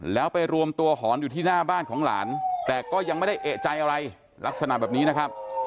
แล้วไปรวมตัวหอนอยู่ที่หน้าบ้านของหลานแต่ก็ยังไม่ได้เอกใจอะไรลักษณะแบบนี้นะครับ